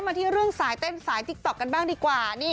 มาที่เรื่องสายเต้นสายติ๊กต๊อกกันบ้างดีกว่า